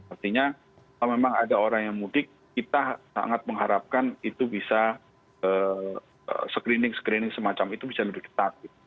artinya kalau memang ada orang yang mudik kita sangat mengharapkan itu bisa screening screening semacam itu bisa lebih ketat